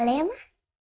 boleh ya ma